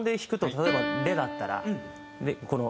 例えば「レ」だったらこの。